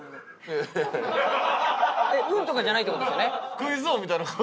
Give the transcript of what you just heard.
運とかじゃないって事ですよね？